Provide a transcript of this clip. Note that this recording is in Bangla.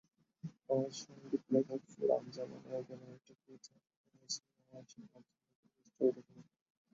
বাংলাদেশ সাংবাদিক-লেখক ফোরাম, জাপানের ব্যানারে টোকিওতে অনুষ্ঠিত হয়েছে বাংলাদেশের মঞ্চ নাটকের পোস্টার প্রদর্শনী।